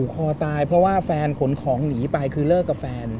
คอตายเพราะว่าแฟนขนของหนีไปคือเลิกกับแฟน